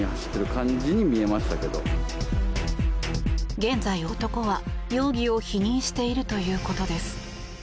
現在、男は容疑を否認しているということです。